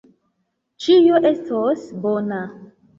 Ĉio estos bona.